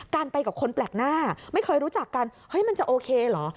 ไปกับคนแปลกหน้าไม่เคยรู้จักกันเฮ้ยมันจะโอเคเหรอ